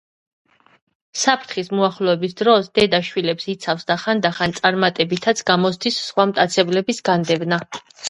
საფრთხის მოახლოების დროს დედა შვილებს იცავს და ხანდახან წარმატებითაც გამოსდის სხვა მტაცებლების განდევნა.